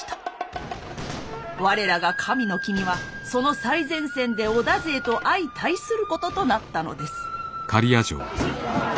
我らが神の君はその最前線で織田勢と相対することとなったのです。